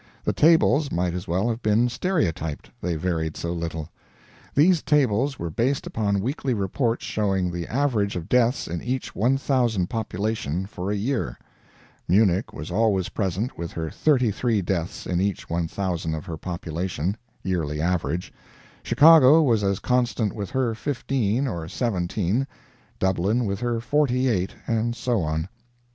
The tables might as well have been stereotyped, they varied so little. These tables were based upon weekly reports showing the average of deaths in each 1,000 population for a year. Munich was always present with her 33 deaths in each 1,000 of her population (yearly average), Chicago was as constant with her 15 or 17, Dublin with her 48 and so on.